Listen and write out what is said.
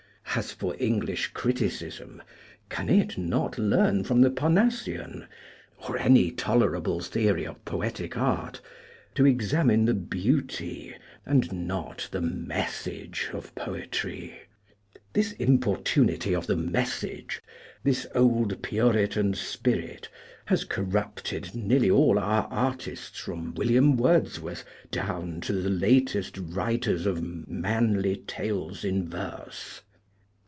As for English criticism, can it not learn from the Parnassian or any tolerable theory of poetic art to examine the beauty and not the " message " of poetry? This importunity of the "message," this "old Puritan spirit," has corrupted nearly all our artists, from William Wordsworth down to the latest writers of manly tales in verse.